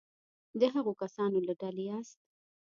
د هغو کسانو له ډلې یاست.